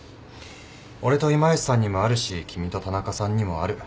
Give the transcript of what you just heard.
俺と今吉さんにもあるし君と田中さんにもある。